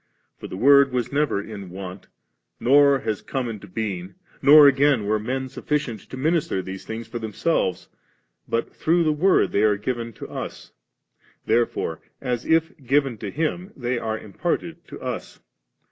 For the Word was never in want*, nor has come into being^; nor again were men suffi cient to minister these things for themselves, but through the Word they are given to us ; therefore, as if given to Him, they are im parted to us.